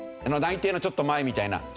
内定のちょっと前みたいな。